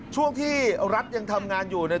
ช่วงที่รัฐยังทำงานอยู่